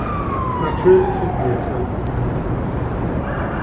Als natürliche Wirte dienen Insekten.